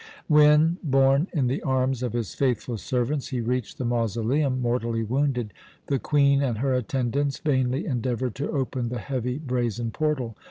When, borne in the arms of his faithful servants, he reached the mausoleum, mortally wounded, the Queen and her attendants vainly endeavoured to open the heavy brazen portal.